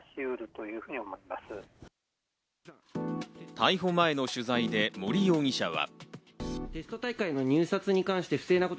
逮捕前の取材で、森容疑者は。